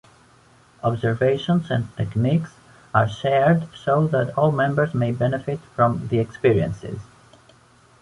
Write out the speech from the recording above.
Observations and techniques are shared so that all members may benefit from the experiences.